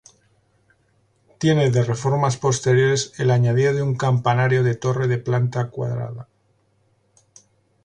Tiene de reformas posteriores el añadido de un campanario de torre de planta cuadrada.